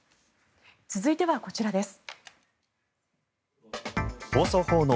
続いてはこちらです。